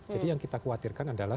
jadi yang kita khawatirkan adalah